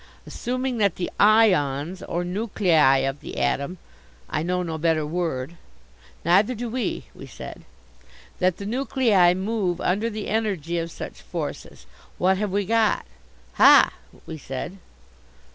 "Assuming that the ions, or nuclei of the atom I know no better word " "Neither do we," we said. "That the nuclei move under the energy of such forces, what have we got?" "Ha!" we said.